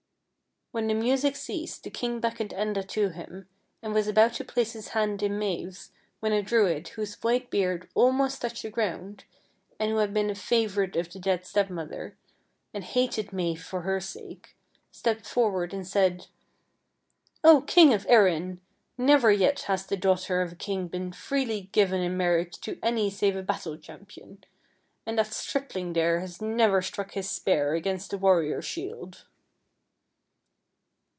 When the music ceased the king beckoned Enda to him, and was about to place his hand THE HOUSE IN THE LAKE 43 in Mave's when a Druid, whose white beard al most touched the ground, and who had been a favorite of the dead stepmother, and hated Mave for her sake, stepped forward and said :" O king of Erin, never yet has the daughter of a king been freely given in marriage to any save a battle champion ; and that stripling there has never struck his spear against a warrior's shield."